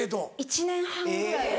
１年半ぐらいで。